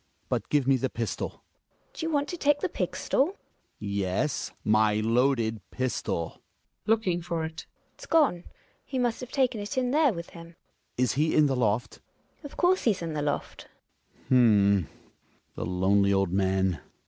But give me the pistol. Gina. Do you want to take the pigstol? Hjalmar. Yes. Mv loaded pistol. Gina {looking for it). It's gone. He must have taken it in there with him. Hjalmar, Is he in the loft. Gina. Of course he's in the loft. Hjalmar. H'm — the lonely old man